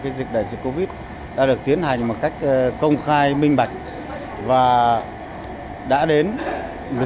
phần sâu về dịch đại dịch covid đã được tiến hành một cách công khai minh bạch và đã đến người